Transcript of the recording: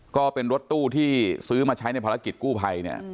ก็เป็นรถตู้ที่ซื้อมาใช้ในภารกิจกู้ภัยเนี่ย